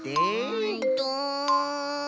うんと。